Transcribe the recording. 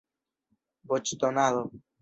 voĉdonado